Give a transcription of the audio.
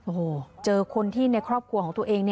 โอ้โหเจอคนที่ในครอบครัวของตัวเอง